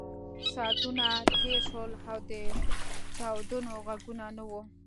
ساعتونه تېر شول او د چاودنو غږونه نه وو